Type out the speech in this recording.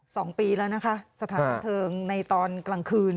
สองปีแล้วนะคะสถานบันเทิงในตอนกลางคืน